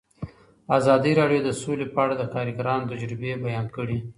ازادي راډیو د سوله په اړه د کارګرانو تجربې بیان کړي.